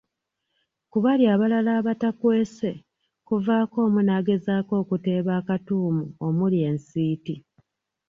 Ku bali abalala abatakwese, kuvaako omu n’agezaako okuteeba akatuumu omuli ensiiti.